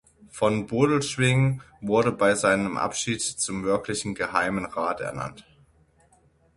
Von Bodelschwingh wurde bei seinem Abschied zum Wirklichen Geheimen Rat ernannt.